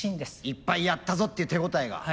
いっぱいやったぞっていう手応えが。